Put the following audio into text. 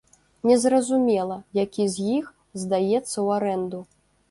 Незразумела, які з іх здаецца ў арэнду.